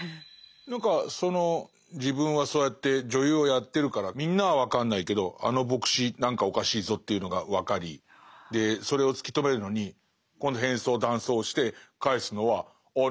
何かその自分はそうやって女優をやってるからみんなは分かんないけどあの牧師何かおかしいぞというのが分かりそれを突き止めるのに今度変装男装をして返すのはああ